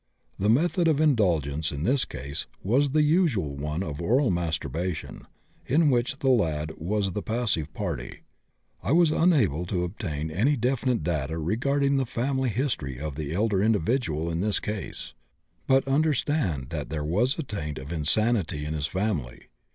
The method of indulgence in this case was the usual one of oral masturbation, in which the lad was the passive party. I was unable to obtain any definite data regarding the family history of the elder individual in this case, but understand that there was a taint of insanity in his family.